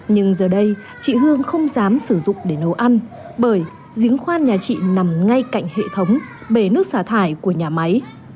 nhưng giờ đây chị hương không dám sử dụng để nấu ăn bởi giếng khoan nhà chị nằm ngay cạnh hệ thống bể nước xả thải của nhà máy